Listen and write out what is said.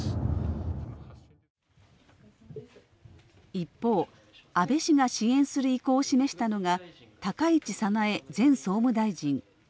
一方、安倍氏が支援する意向を示したのが高市早苗前総務大臣。